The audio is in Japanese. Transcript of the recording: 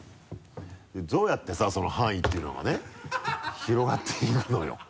どうやってさその範囲っていうのがね広がっていくのよ？